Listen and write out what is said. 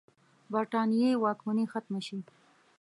برټانیې واکمني ختمه شي.